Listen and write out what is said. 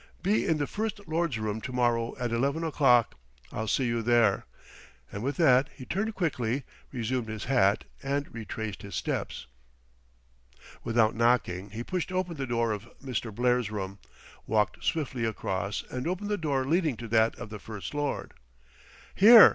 Be in the First Lord's room to morrow at eleven o'clock; I'll see you there;" and with that he turned quickly, resumed his hat and retraced his steps. Without knocking, he pushed open the door of Mr. Blair's room, walked swiftly across and opened the door leading to that of the First Lord. "Here!"